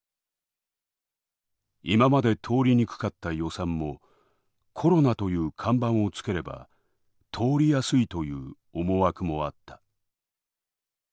今まで通りにくかった予算もコロナという看板をつければ通りやすいという思惑もあった。